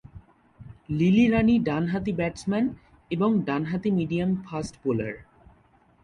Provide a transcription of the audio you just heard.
Lily Rani ডানহাতি batsman এবং ডানহাতি মিডিয়াম ফাস্ট বোলার।